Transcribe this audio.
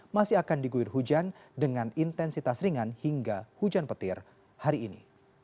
masih akan diguyur hujan dengan intensitas ringan hingga hujan petir hari ini